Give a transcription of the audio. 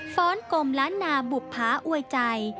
้อนกลมล้านนาบุภาอวยใจ